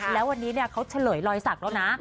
แล้ววันนี้เขาเฉลยรอยสักแล้วนะ